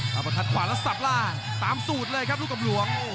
เอามาคัดขวาแล้วสับล่างตามสูตรเลยครับลูกกำหลวง